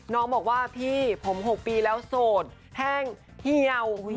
น้องบอกว่าพี่ผม๖ปีแล้วโสดแห้งเหี่ยว